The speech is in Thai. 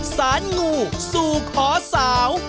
สู่ขอสาว